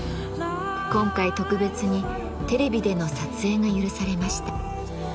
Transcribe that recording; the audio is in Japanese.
今回特別にテレビでの撮影が許されました。